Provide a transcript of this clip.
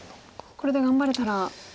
これで頑張れたら。